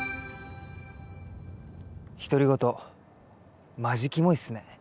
独り言マジキモいっすね。